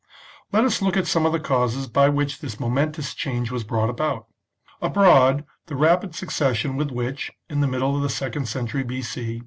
Let us look at some of the causes by which this momentous change was brought about. Abroad, the rapid succession with which, in the middle of the second century B.C.